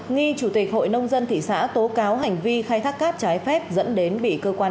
nghi chủ tịch hội nông dân thị xã tố cáo hành vi khai thác cát trái phép dẫn đến bị cơ quan